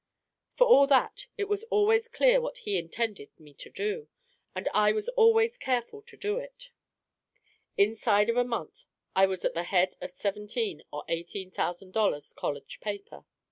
For all that, it was always clear what he intended me to do, and I was always careful to do it. Inside of a month I was at the head of seventeen or eighteen thousand dollars, college paper.